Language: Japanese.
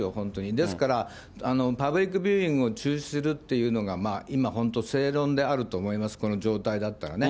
ですから、パブリックビューイングを中止するというのが、今本当、正論であると思います、この状態だったらね。